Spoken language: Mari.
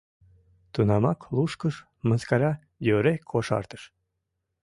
Тунамак лушкыш, мыскара йӧре кошартыш.